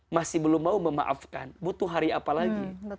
masih belum mau memaafkan butuh hari apa lagi